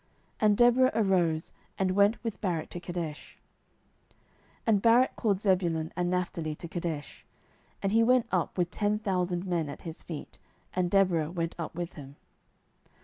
And Deborah arose, and went with Barak to Kedesh. 07:004:010 And Barak called Zebulun and Naphtali to Kedesh; and he went up with ten thousand men at his feet: and Deborah went up with him.